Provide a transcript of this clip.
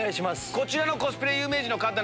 こちらのコスプレ有名人の方